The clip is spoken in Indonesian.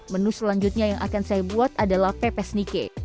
menu selanjutnya yang akan saya buat adalah pepes nike